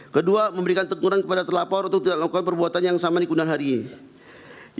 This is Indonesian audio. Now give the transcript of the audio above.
kedua memberikan teguran kepada terlapor untuk tidak lakukan perbuatan yang sama dikunan hari ini